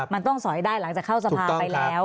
มันต้องสอยได้หลังจากเข้าสภาไปแล้ว